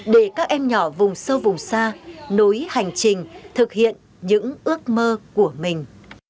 để các em nhỏ vùng sâu vùng xa nối hành trình thực hiện những ước mơ của mình